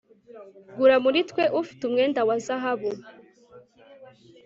Gura muri twe ufite umwenda wa zahabu